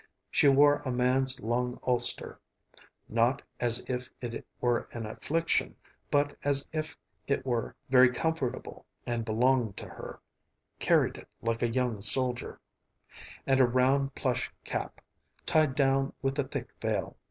She wore a man's long ulster (not as if it were an affliction, but as if it were very comfortable and belonged to her; carried it like a young soldier), and a round plush cap, tied down with a thick veil.